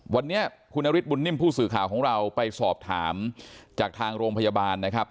วันนี้คุณนฤทธบุญนิ่มผู้สื่อข่าวของเราไปสอบถามจากทางโรงพยาบาลนะครับ